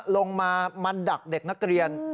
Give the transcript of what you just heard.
ลงมามาดักเด็กนักเรียน